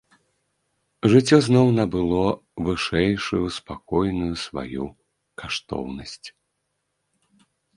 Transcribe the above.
Жыццё зноў набыло вышэйшую, спакойную сваю каштоўнасць.